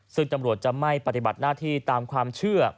ซึ่งตำรวจจะไม่ปฏิบัติหน้าที่ตามความเชื่อ